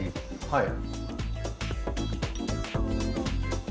はい。